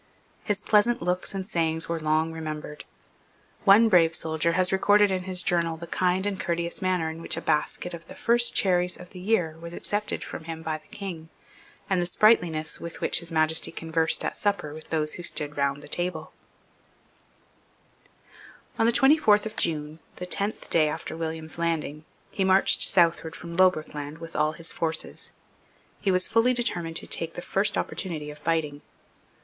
His pleasant looks and sayings were long remembered. One brave soldier has recorded in his journal the kind and courteous manner in which a basket of the first cherries of the year was accepted from him by the King, and the sprightliness with which His Majesty conversed at supper with those who stood round the table, On the twenty fourth of June, the tenth day after William's landing, he marched southward from Loughbrickland with all his forces. He was fully determined to take the first opportunity of fighting.